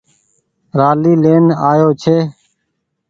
رآلي لين آيو ڇي۔